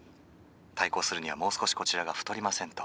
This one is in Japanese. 対抗するにはもう少しこちらが太りませんと」。